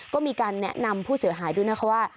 ก็มีการแนะนำผู้เสียหายด้วยนะคะว่า